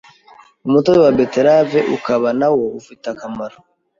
Umutobe wa Beterave ukaba na wo ufite akamaro